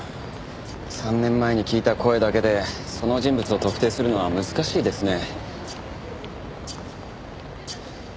３年前に聞いた声だけでその人物を特定するのは難しいですね。